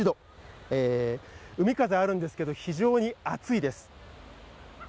海風があるんですけど、非常に暑いです。